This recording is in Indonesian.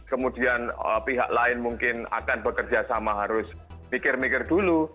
kemudian pihak lain mungkin akan bekerja sama harus mikir mikir dulu